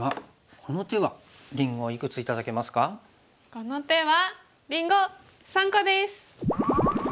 この手はりんご３個です！